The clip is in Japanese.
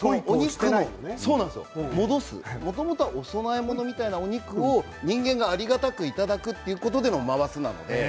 もともと、お供え物みたいなお肉を人間がありがたくいただくということの回すなんです。